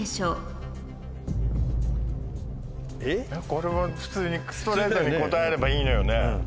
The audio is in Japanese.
これは普通にストレートに答えればいいのよね。